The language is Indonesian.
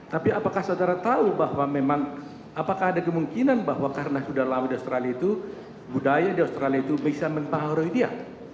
tapi apakah saudara tahu bahwa memang apakah ada kemungkinan bahwa karena sudah lama di australia itu budaya di australia itu bisa mempengaruhi dia